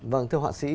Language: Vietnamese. vâng thưa họa sĩ